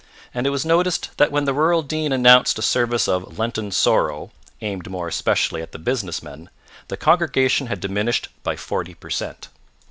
And it was noticed that when the Rural Dean announced a service of Lenten Sorrow, aimed more especially at the business men, the congregation had diminished by forty per cent.